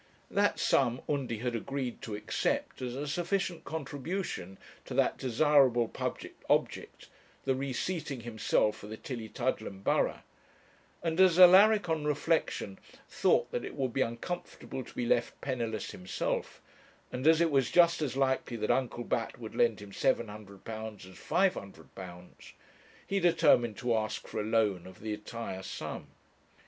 That sum Undy had agreed to accept as a sufficient contribution to that desirable public object, the re seating himself for the Tillietudlem borough, and as Alaric on reflection thought that it would be uncomfortable to be left penniless himself, and as it was just as likely that Uncle Bat would lend him £700 as £500, he determined to ask for a loan of the entire sum.